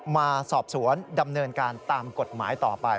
มาสอบสวนดำเนินการตามกฎหมายต่อไป